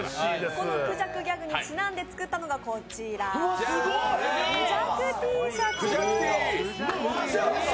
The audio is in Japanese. このクジャクギャグにちなんで作ったのがこちらクジャクＴシャツです。